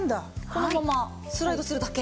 このままスライドするだけ？